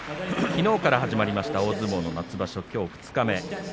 きのうから始まりました大相撲の夏場所きょう二日目。